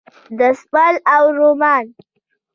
دستمال او رومال